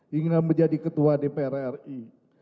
hingga menjadi ketua dpr ri